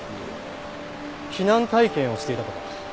避難体験をしていたと。